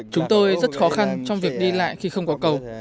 chúng tôi rất khó khăn trong việc đi lại khi không có cầu